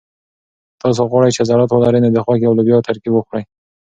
که تاسي غواړئ چې عضلات ولرئ نو د غوښې او لوبیا ترکیب وخورئ.